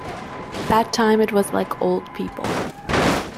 That time it was like old people.